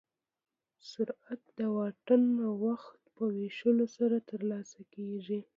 سرعت د واټن او وخت په ویشلو سره ترلاسه کېږي.